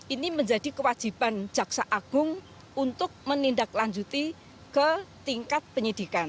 ini menjadi kewajiban jaksa agung untuk menindaklanjuti ke tingkat penyidikan